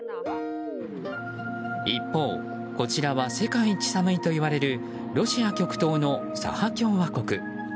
一方、こちらは世界一寒いといわれるロシア極東のサハ共和国。